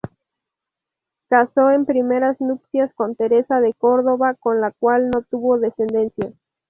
Casó en primeras nupcias con Teresa de Córdoba, con la cual no tuvo descendencia.